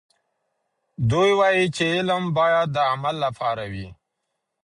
دوی وایي چې علم باید د عمل لپاره وي.